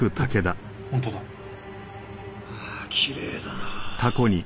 ああきれいだ。